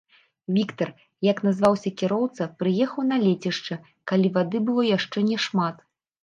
Віктар, як назваўся кіроўца, прыехаў на лецішча, калі вады было яшчэ няшмат.